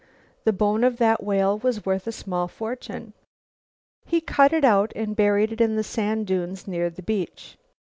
The bone of that whale was worth a small fortune. He cut it out and buried it in the sand dunes near the beach.